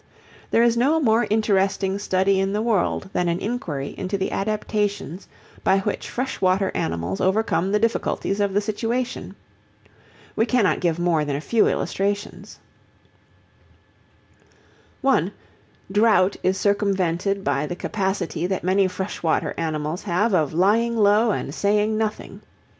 There is no more interesting study in the world than an inquiry into the adaptations by which freshwater animals overcome the difficulties of the situation. We cannot give more than a few illustrations. (1) Drought is circumvented by the capacity that many freshwater animals have of lying low and saying nothing.